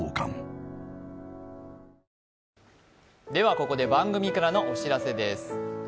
ここで番組からのお知らせです。